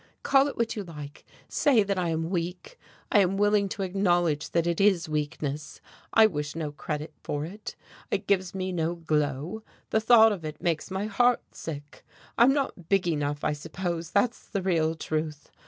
Call it what you like, say that I am weak. I am willing to acknowledge that it is weakness. I wish no credit for it, it gives me no glow, the thought of it makes my heart sick. I'm not big enough I suppose that's the real truth.